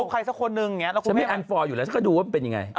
หนึ่งนะครับอยู่แล้วก็ดูว่าเป็นยังไง